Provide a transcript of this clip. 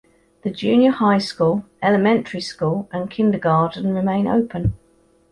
The junior high school, elementary school, and kindergarten remain open.